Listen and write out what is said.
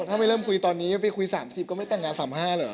ถ้าไม่เริ่มคุยตอนนี้ไปคุย๓๐ก็ไม่แต่งงาน๓๕เหรอ